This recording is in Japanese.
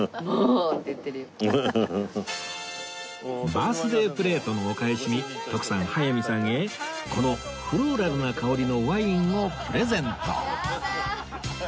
バースデープレートのお返しに徳さん早見さんへこのフローラルな香りのワインをプレゼント